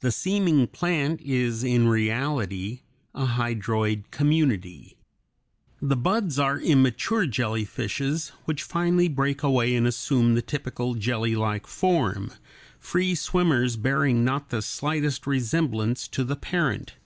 The seeming plant is in reality a hydroid community. The buds are immature jellyfishes which finally break away and assume the typical jellylike form, free swimmers bearing not the slightest resemblance to the parent.